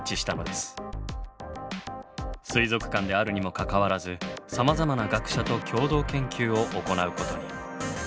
水族館であるにもかかわらずさまざまな学者と共同研究を行うことに。